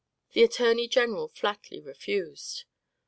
The attorney general flatly refused.